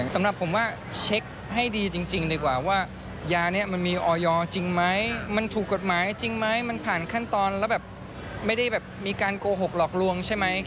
สำหรับผมว่าเซ็คให้ดีจริง